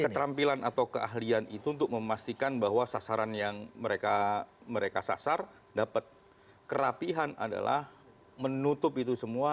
keterampilan atau keahlian itu untuk memastikan bahwa sasaran yang mereka sasar dapat kerapihan adalah menutup itu semua